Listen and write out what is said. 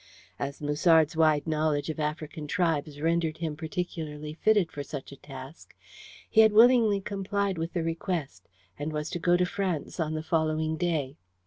As Musard's wide knowledge of African tribes rendered him peculiarly fitted for such a task, he had willingly complied with the request, and was to go to France on the following day.